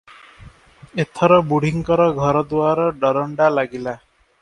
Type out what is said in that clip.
ଏଥର ବୁଢ଼ୀଙ୍କର ଘରଦୁଆର ଦରଣ୍ଡା ଲାଗିଲା ।